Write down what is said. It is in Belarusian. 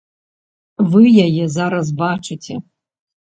Вы яе зараз бачыце.